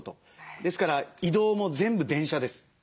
ですから移動も全部電車です。